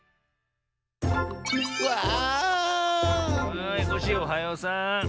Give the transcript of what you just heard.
はいコッシーおはようさん。